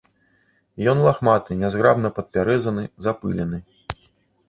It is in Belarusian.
Ён лахматы, нязграбна падпяразаны, запылены.